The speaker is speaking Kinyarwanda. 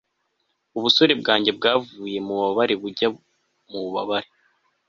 ubusore bwanjye bwavuye mububabare bujya mububabare